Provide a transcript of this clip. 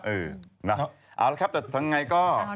เอาละครับแต่ทั้งไงก็